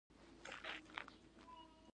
ولې ځینې د خپلو کورونو دیوالونه پنډ جوړوي؟